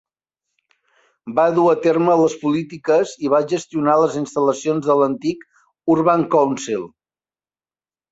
Va dur a terme les polítiques i va gestionar les instal·lacions de l'antic Urban Council.